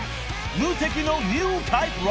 ［無敵のニュータイプ